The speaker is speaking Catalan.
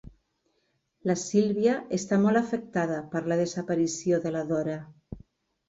La Sílvia està molt afectada per la desaparició de la Dora.